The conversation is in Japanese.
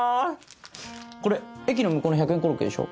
これ駅の向こうの１００円コロッケでしょ？